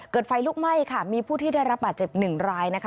ไฟลุกไหม้ค่ะมีผู้ที่ได้รับบาดเจ็บหนึ่งรายนะคะ